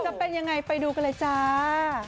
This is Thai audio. จะเป็นยังไงไปดูกันเลยจ้า